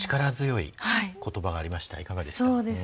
いかがでした？